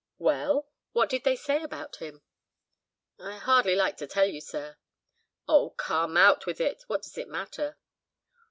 "Well, what did they say about him?" "I hardly like to tell you, sir." "Oh! come, out with it. What does it matter?"